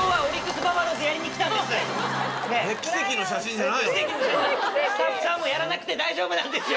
スタッフさんもやらなくて大丈夫なんですよ